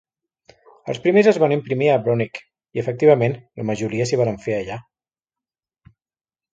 Els primers es van imprimir a Brunswick i, efectivament, la majoria s'hi varen fer allà.